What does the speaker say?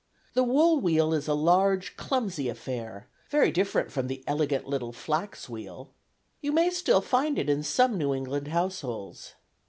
The wool wheel is a large clumsy affair, very different from the elegant little flax wheel. You may still find it in some New England households.